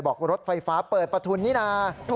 รถไฟฟ้าเปิดประทุนนี่นะ